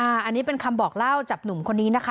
อันนี้เป็นคำบอกเล่าจากหนุ่มคนนี้นะคะ